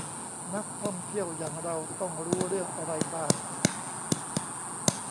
นักท่องเที่ยวอย่างเราต้องรู้เรื่องอะไรบ้าง